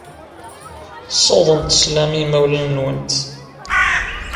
Ssiwḍemt sslam i yimawlan-nwent.